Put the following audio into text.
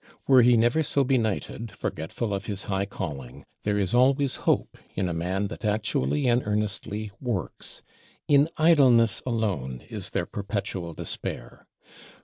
Were he never so benighted, forgetful of his high calling, there is always hope in a man that actually and earnestly works: in Idleness alone is there perpetual despair.